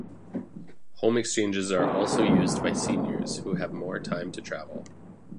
Home exchanges are also used by seniors, who have more time to travel.